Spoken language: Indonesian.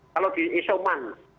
kalau di isoman